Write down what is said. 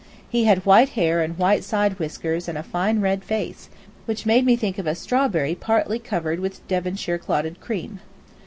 He had white hair and white side whiskers and a fine red face, which made me think of a strawberry partly covered with Devonshire clotted cream.